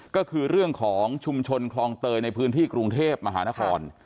ก็คือเรื่องของชุมชนคลองเตยในพื้นที่กรุงเทพมหานคร